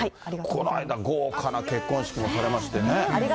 この間豪華な結婚式もされましてね。